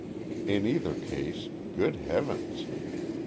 In either case Good Heavens!